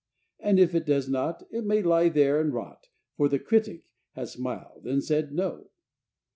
And if it does not, it may lie there and rot, For the "Critic" has smiled and said "No."